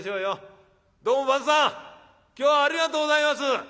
今日はありがとうございます。